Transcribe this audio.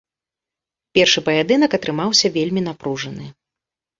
Першы паядынак атрымаўся вельмі напружаны.